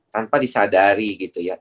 tanpa disadari gitu ya